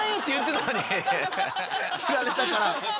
釣られたから。